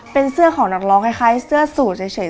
เป็นเสื้อของนักร้องคล้ายเสื้อสูตรเฉย